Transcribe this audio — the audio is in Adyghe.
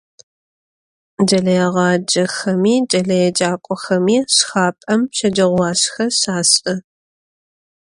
Ç'eleêğacexemi, ç'eleêcak'oxemi şşxap'em şeceğuaşşxe şaş'ı.